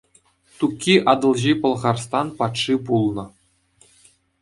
Тукки Атӑлҫи Пӑлхарстан патши пулнӑ.